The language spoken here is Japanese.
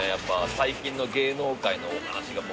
最近の芸能界のお話が尽きない。